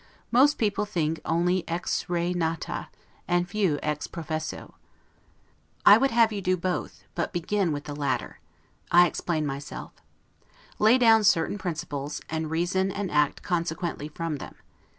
Most people think only 'ex re nata', and few 'ex professo': I would have you do both, but begin with the latter. I explain myself: Lay down certain principles, and reason and act consequently from them.